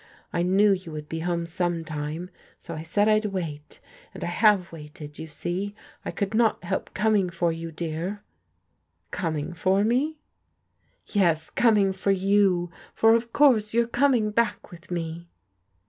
I knew you would be home some time, so I said I'd wait. And I have waited, you see. I could not help coming for you, dear." " Coming for me ?" "Yes, coming for you, for of course you're coming back with me."